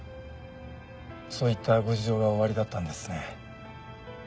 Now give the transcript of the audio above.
そういったご事情がおありだったんですね。